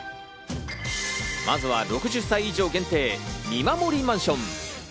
まずは６０歳以上限定、見守りマンション。